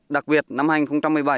đặc biệt năm hai nghìn một mươi bảy